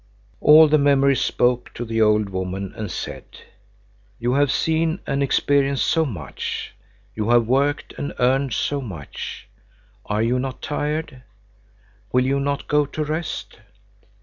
All the memories spoke to the old woman and said: "You have seen and experienced so much; you have worked and earned so much! Are you not tired? will you not go to rest?"